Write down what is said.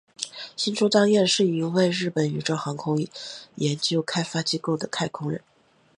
星出彰彦是一位日本宇宙航空研究开发机构的太空人。